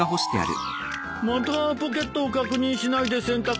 またポケットを確認しないで洗濯したな。